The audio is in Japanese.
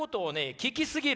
聞きすぎる。